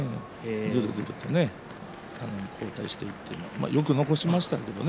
ずるずるとね、後退していってよく残しましたけれどもね。